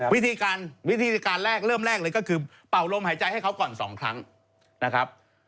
วิธีการวิธีการแรกเริ่มแรกเลยก็คือเป่าลมหายใจให้เขาก่อน๒ครั้งนะครับ